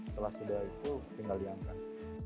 setelah sudah itu tinggal diangkat